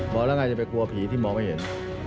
บอกแล้วไงจะไปกลัวผีที่หมอไม่เห็น